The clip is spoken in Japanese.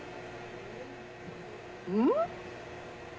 うん？